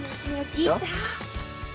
いた。